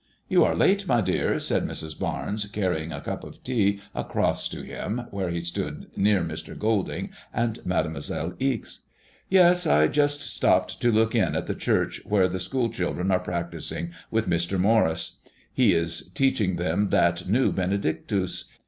You are late, my dear/' said Mrs. Barnes, carrying a cup of tea across to him where he stood near Mr. Golding and Made moiselle Ixe. *' Yes, I just stopped to look in at the church, where the school children are practising with Mr. Morris. He is teaching them that new Benedictus.